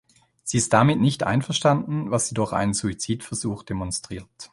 Sie ist damit nicht einverstanden, was sie durch einen Suizidversuch demonstriert.